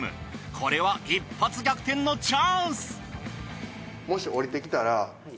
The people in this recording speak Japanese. これは一発逆転のチャンス。